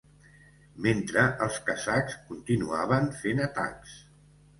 Mentre els kazakhs continuaven fent atacs.